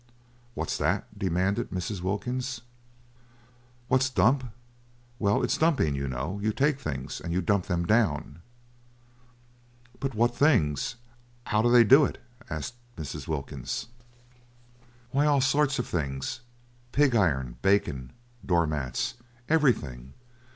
"What's that?" demanded Mrs. Wilkins. "What's dump? Well, it's dumping, you know. You take things, and you dump them down." "But what things? 'Ow do they do it?" asked Mrs. Wilkins. "Why, all sorts of things: pig iron, bacon, door mats—everything.